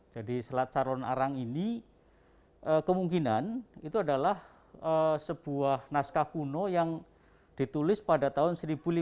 jadi selat calon arang ini kemungkinan itu adalah sebuah naskah kuno yang ditulis pada tahun seribu lima ratus empat puluh